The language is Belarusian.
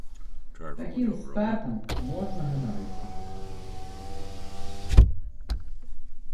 Такім стартам можна ганарыцца.